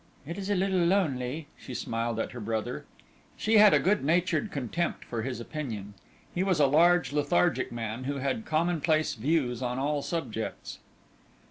"It is a little lonely," she smiled at her brother. She had a good natured contempt for his opinion. He was a large, lethargic man, who had commonplace views on all subjects.